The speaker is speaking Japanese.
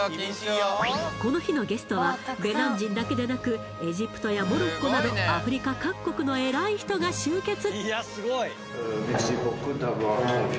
この日のゲストはベナン人だけでなくエジプトやモロッコなどアフリカ各国の偉い人が集結